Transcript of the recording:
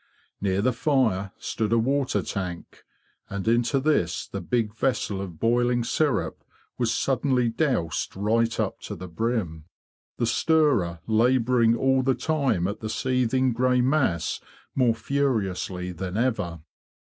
Near the fire stood a water tank, and into this the big vessel of boiling syrup was 88 THE BEE MASTER OF WARRILOW suddenly doused right up to the brim, the stirrer labouring all the time at the seething grey mass more furiously than ever.